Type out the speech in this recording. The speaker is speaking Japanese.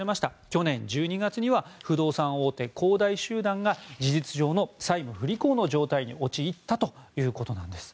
去年の１２月には不動産大手、恒大集団が事実上の債務不履行の状態に陥ったということなんです。